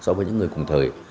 so với những người cùng thời